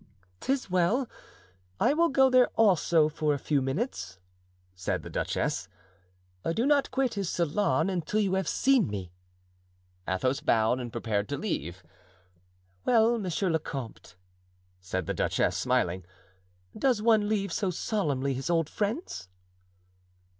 "'Tis well; I will go there also, for a few minutes," said the duchess; "do not quit his salon until you have seen me." Athos bowed and prepared to leave. "Well, monsieur le comte," said the duchess, smiling, "does one leave so solemnly his old friends?"